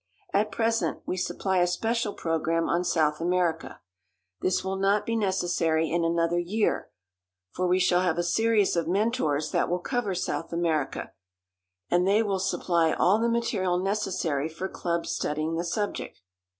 At present we supply a special program on South America. This will not be necessary in another year, for we shall have a series of Mentors that will cover South America, and they will supply all the material necessary for clubs studying the subject.